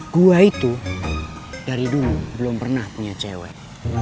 gua itu dari dulu belum pernah punya cewek